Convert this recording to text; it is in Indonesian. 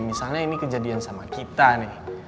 misalnya ini kejadian sama kita nih